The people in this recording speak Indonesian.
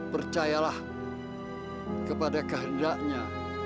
percayalah kepada kehendaknya